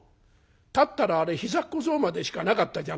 立ったらあれひざっ小僧までしかなかったじゃないか」。